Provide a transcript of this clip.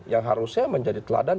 yang harusnya menjadi teladan